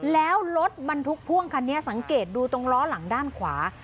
แล้วรถบรรทุกพ่วงคันนี้สังเกตดูตรงล้อหลังด้านขวา